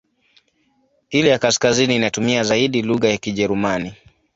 Ile ya kaskazini inatumia zaidi lugha ya Kijerumani.